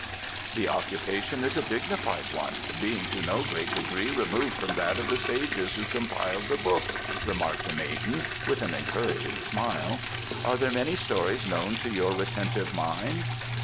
"The occupation is a dignified one, being to no great degree removed from that of the Sages who compiled The Books," remarked the maiden, with an encouraging smile. "Are there many stories known to your retentive mind?"